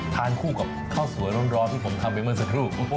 ทานคู่กับข้าวสวยร้อนที่ผมทำไปเมื่อสักครู่